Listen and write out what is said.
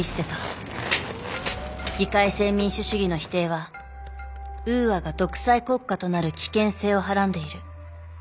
議会制民主主義の否定はウーアが独裁国家となる危険性をはらんでいる。